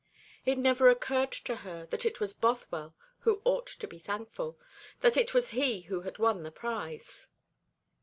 It never occurred to her that it was Bothwell who ought to be thankful, that it was he who had won the prize.